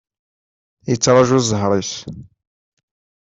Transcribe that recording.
Yettraju zzher-is.